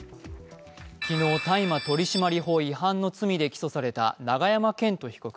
昨日、大麻取締法違反の罪で起訴された永山絢斗被告。